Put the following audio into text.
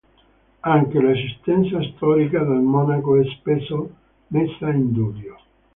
Anche l'esistenza storica del monaco è spesso messa in dubbio.